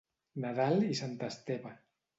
Nadal i Sant Esteve.